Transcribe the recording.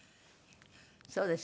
そうですよ。